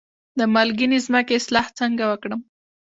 د مالګینې ځمکې اصلاح څنګه وکړم؟